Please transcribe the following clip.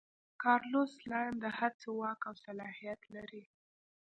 کارلوس سلایم د هر څه واک او صلاحیت لري.